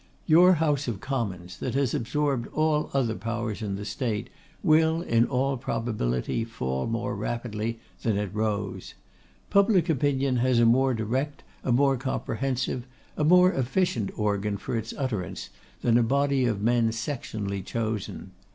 Your House of Commons, that has absorbed all other powers in the State, will in all probability fall more rapidly than it rose. Public opinion has a more direct, a more comprehensive, a more efficient organ for its utterance, than a body of men sectionally chosen.